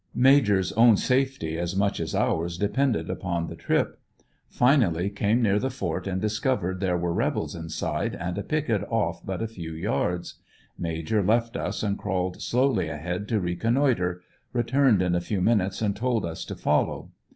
Major's own safety as much as ours depended upon the trip. Finally came near the fort and discovered there were rebels inside and a picket off but a few rods. Major left us and crawled slowly ahead to reconnoitre; returned in a few minutes and told us to follow.